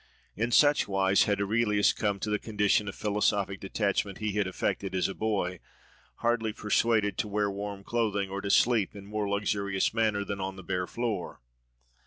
In such wise had Aurelius come to the condition of philosophic detachment he had affected as a boy, hardly persuaded to wear warm clothing, or to sleep in more luxurious manner than on the bare floor.